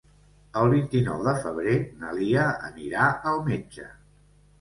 El vint-i-nou de febrer na Lia anirà al metge.